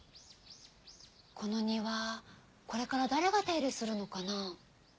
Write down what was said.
この庭これから誰が手入れするのかな。